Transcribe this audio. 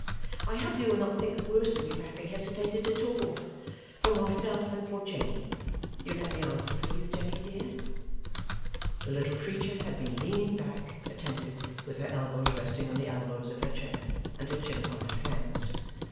I hope you will not think the worse of me for having hesitated at all. For myself and for Jenny you let me answer for you, Jenny dear?' The little creature had been leaning back, attentive, with her elbows resting on the elbows of her chair, and her chin upon her hands.